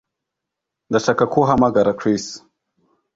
Ndashaka ko uhamagara Chris